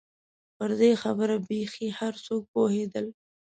پر دې خبره بېخي هر څوک پوهېدل.